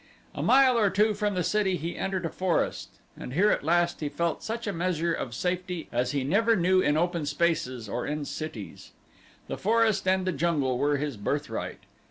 A mile or two from the city he entered a forest and here at last he felt such a measure of safety as he never knew in open spaces or in cities. The forest and the jungle were his birthright.